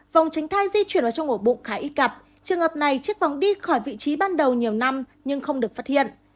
vòng tránh thai di chuyển ở trong ổ bụng khá ít gặp trường hợp này chiếc vòng đi khỏi vị trí ban đầu nhiều năm nhưng không được phát hiện